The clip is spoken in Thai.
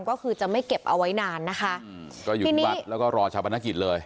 ก็คือจะไม่เก็บเอาไว้นานนะคะอืมก็อยู่ที่วัดแล้วก็รอชาปนกิจเลย